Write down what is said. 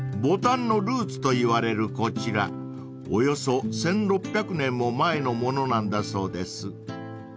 ［ボタンのルーツといわれるこちらおよそ１，６００年も前のものなんだそうです］